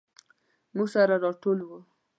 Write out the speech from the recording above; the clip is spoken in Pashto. موږ سره راټول وو.